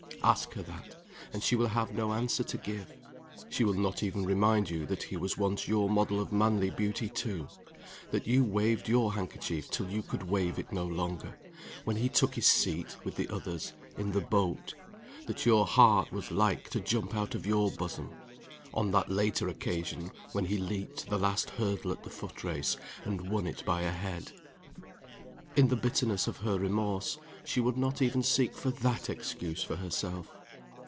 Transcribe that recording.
Ask her that, and she will have no answer to give. She will not even remind you that he was once your model of manly beauty, too that you waved your handkerchief till you could wave it no longer, when he took his seat, with the others, in the boat that your heart was like to jump out of your bosom, on that later occasion when he leaped the last hurdle at the foot race, and won it by a head. In the bitterness of her remorse, she will not even seek for that excuse for herself.